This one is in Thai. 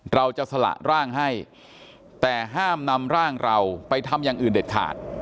เราจะสละร่างให้แต่ห้ามนำร่างเราไปทำอย่างอื่นเด็ดขาด